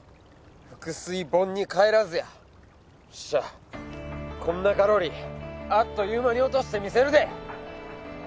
「覆水盆に返らず」やよっしゃこんなカロリーあっという間に落としてみせるで！